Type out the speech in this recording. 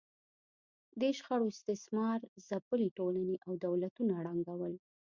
دې شخړو استثمار ځپلې ټولنې او دولتونه ړنګول